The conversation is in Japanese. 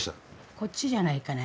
こっちじゃないかな。